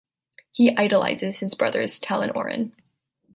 He idolizes his brothers Tell and Orrin.